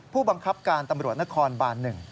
ผู้บังคับการตำรวจนครบาน๑